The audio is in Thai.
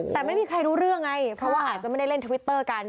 แต่ไม่มีใครรู้เรื่องไงเพราะว่าอาจจะไม่ได้เล่นทวิตเตอร์กัน